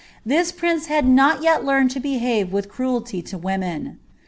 This prince had not yet lesmed lo behave with cruelly to women.